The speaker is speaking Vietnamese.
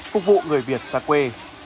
phục vụ người việt xa quê